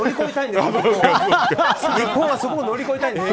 日本はそこを乗り越えたいんです。